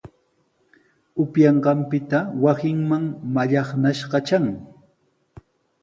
Upyanqanpita wasinman mallaqnashqa tran.